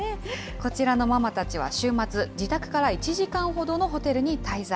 こちらのママたちは週末、自宅から１時間ほどのホテルに滞在。